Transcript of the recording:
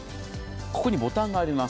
ここにボタンがあります。